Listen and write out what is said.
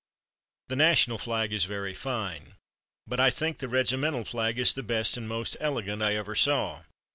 The National flag is very fine, but I think the regimental flag is the best and most elegant I ever saw.